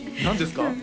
何ですか？